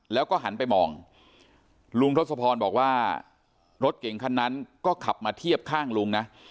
แล้วก็หันไปมองลุงทศพรบอกว่ารถเก่งคันนั้นก็ขับมาเทียบข้างลุงนะ